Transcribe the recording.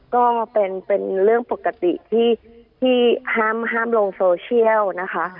ก็เป็นเรื่องปกติที่ห้ามลงโซเชียลนะคะ